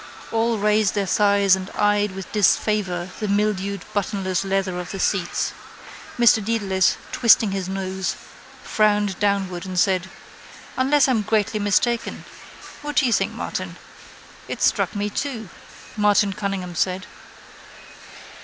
All raised their thighs and eyed with disfavour the mildewed buttonless leather of the seats. Mr Dedalus, twisting his nose, frowned downward and said: —Unless I'm greatly mistaken. What do you think, Martin? —It struck me too, Martin Cunningham said.